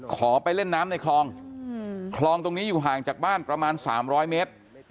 ขอไปเล่นน้ำในคลองคลองตรงนี้อยู่ห่างจากบ้านประมาณ๓๐๐เมตร